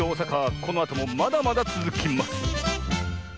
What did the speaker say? このあともまだまだつづきます！